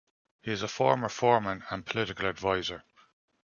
He is a former foreman and political advisor.